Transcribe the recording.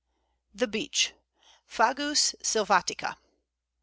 ] The Beech (Fagus sylvatica).